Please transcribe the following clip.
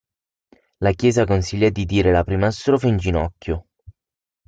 La Chiesa consiglia di dire la prima strofa in ginocchio.